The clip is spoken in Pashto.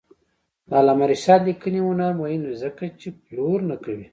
د علامه رشاد لیکنی هنر مهم دی ځکه چې پلور نه کوي.